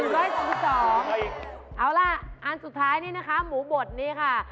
เอาล่ะอันสุดท้ายนี่นะคะหมูบดนี้ค่ะ